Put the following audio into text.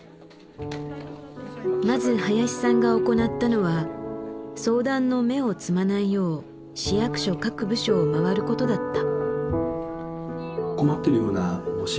まず林さんが行ったのは相談の芽を摘まないよう市役所各部署をまわることだった。